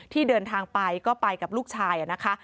เดินทางไปก็ไปกับลูกชายนะคะ